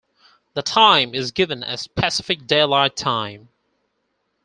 The time is given as Pacific Daylight Time.